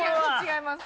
違います。